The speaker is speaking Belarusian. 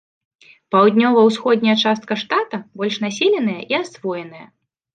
Паўднёва-ўсходняя частка штата больш населеная і асвоеная.